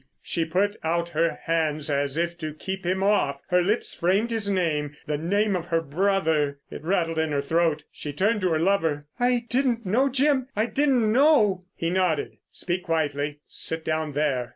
She put out her hands as if to keep him off. Her lips framed his name. The name of her brother! It rattled in her throat. She turned to her lover. "I didn't know, Jim, I didn't know!" He nodded. "Speak quietly. Sit down there."